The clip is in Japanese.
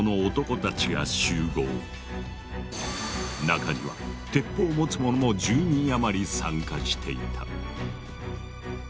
中には鉄砲を持つ者も１０人余り参加していた。